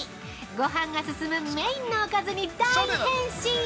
ごはんが進むメインのおかずに大変身！